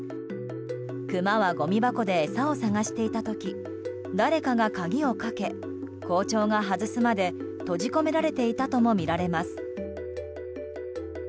クマはごみ箱で餌を探していた時誰かが鍵をかけ、校長が外すまで閉じ込められていたともみられます。